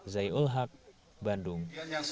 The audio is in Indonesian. zai ul haq bandung